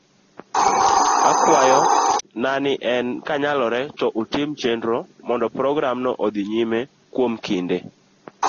Akwayo na en ni kanyalore to utim chenro mondo programno odhi nyime kuom kinde